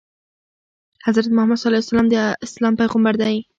حضرت محمد ﷺ د اسلام پیغمبر دی.